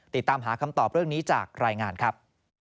ติดตามหาคำตอบเรื่องนี้จากรายงานครับ